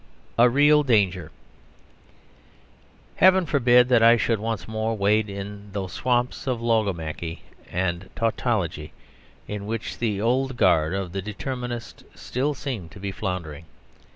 A REAL DANGER Heaven forbid that I should once more wade in those swamps of logomachy and tautology in which the old guard of the Determinists still seem to be floundering.